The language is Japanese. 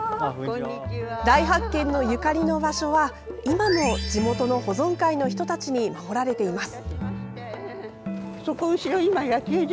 大発見のゆかりの場所は今も地元の保存会の人たちに守られています。